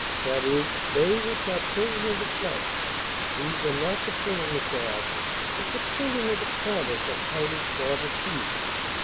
That is, they which are children of the flesh, these are not the children of God: but the children of the promise are counted for the seed.'